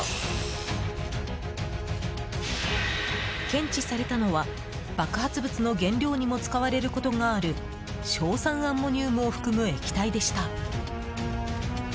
検知されたのは爆発物の原料にも使われることがある硝酸アンモニウムを含む液体でした。